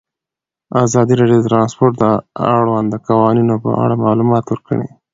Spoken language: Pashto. ازادي راډیو د ترانسپورټ د اړونده قوانینو په اړه معلومات ورکړي.